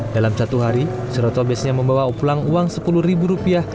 dalam satu hari suroto biasanya membawa pulang uang sepuluh ribu rupiah